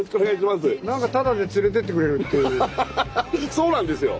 そうなんですよ。